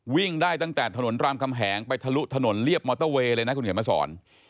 วิ่งได้ตั้งแต่ถนนรามคำแหงไปทะลุถนนเรียบมอเตอร์เวย์เลยนะคุณเขียนมาสอน